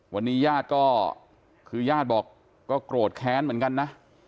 วันนี้ญาติก็คือญาติบอกก็โกรธแค้นเหมือนกันนะ